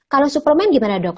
kalau suplemen gimana dok